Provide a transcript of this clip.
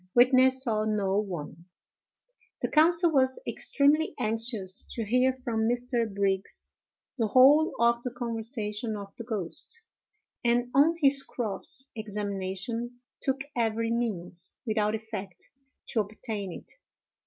Witness saw no one. "The counsel was extremely anxious to hear from Mr. Brigs the whole of the conversation of the ghost, and on his cross examination took every means, without effect, to obtain it.